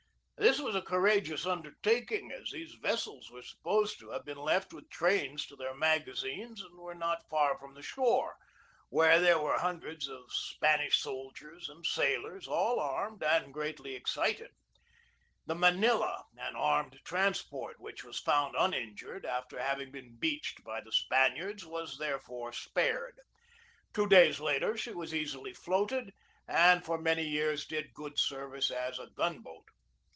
This was a courageous undertak ing, as these vessels were supposed to have been left with trains to their magazines and were not far from the shore, where there were hundreds of Spanish sold iers and sailors, all armed and greatly excited. The THE BATTLE OF MANILA BAY 223 Manila, an armed transport, which was found un injured after having been beached by the Spaniards, was therefore spared. Two days later she was easily floated, and for many years did good service as a gun boat.